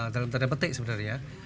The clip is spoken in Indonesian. dalam tanda petik sebenarnya